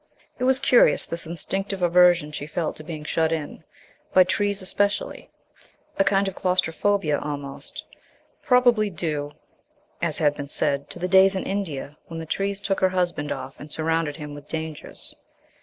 It was curious, this instinctive aversion she felt to being shut in by trees especially; a kind of claustrophobia almost; probably due, as has been said, to the days in India when the trees took her husband off and surrounded him with dangers.